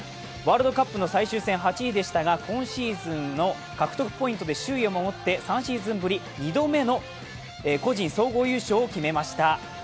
ワールドカップの最終戦８位でしたが、今シーズンの獲得ポイントで首位を守って、３シーズンぶり２度目の個人総合優勝を決めました。